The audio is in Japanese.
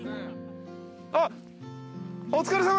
あっ。